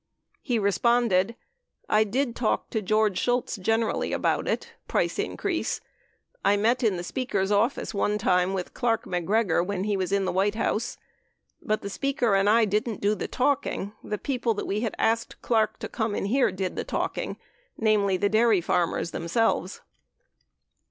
He responded, "I did talk to (George) Shultz generally about it (price increase) . I met in the Speaker's office one time with Clark MacGregor when he was in the White House. But the Speaker and I didn't do the talking. The people that we had asked Clark to come to hear did the talking. Namely, the dairy farmers them selves.